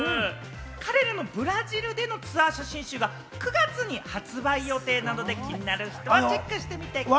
彼らもブラジルでのツアー写真集が９月に発売予定なので、気になる人はチェックしてみてください。